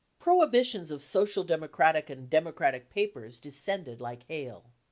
Prohibitions of Social Democratic and Democratic papers descended like hail.